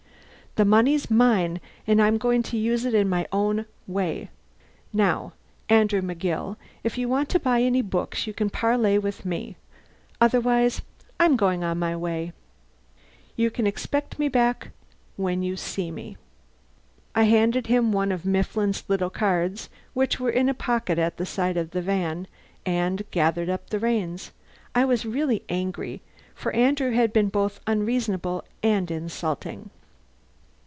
"The money's mine, and I'm going to use it my own way. Now, Andrew McGill, if you want to buy any books, you can parley with me. Otherwise, I'm on my way. You can expect me back when you see me." I handed him one of Mifflin's little cards, which were in a pocket at the side of the van, and gathered up the reins. I was really angry, for Andrew had been both unreasonable and insulting.